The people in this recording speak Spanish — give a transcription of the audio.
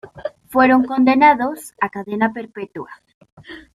Fueron condenados a cadena perpetua.